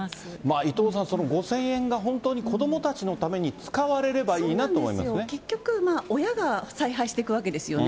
伊藤さん、５０００円が本当に子どもたちのために使われればいいなと思いまそうなんですよ、結局親がさいはいしていくわけですよね。